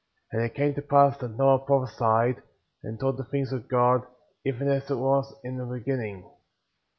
16. And it came to pass that Noah prophesied, and taught the things of God, even as it was in the beginning.